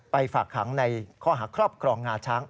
ฝากขังในข้อหาครอบครองงาช้าง